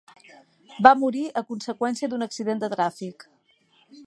Va morir a conseqüència d'un accident de tràfic.